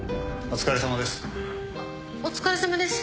お疲れさまです。